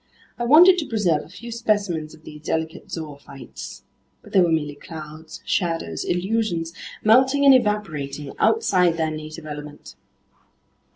I wanted to preserve a few specimens of these delicate zoophytes, but they were merely clouds, shadows, illusions, melting and evaporating outside their native element.